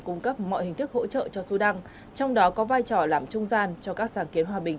cung cấp mọi hình thức hỗ trợ cho sudan trong đó có vai trò làm trung gian cho các sáng kiến hòa bình